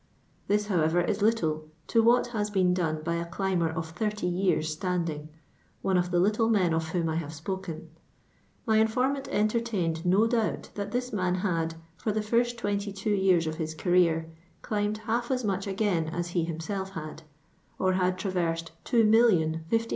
This, however, is little to what has been done by a climber of 30 yean* standing, one of the little men of whom I have spoken. My informant entertained no doubt that ihis man hsd, for the first 22 years of his career, climbed hilf as much again as he himself had ; or had ta versed 2,05U,200 feet of the interior of chimnevi, or 390 miles.